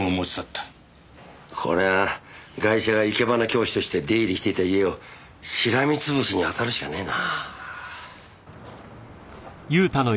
こりゃガイシャが生け花教師として出入りしていた家を虱潰しに当たるしかねえな。